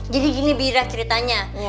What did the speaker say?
jadi gini bira ceritanya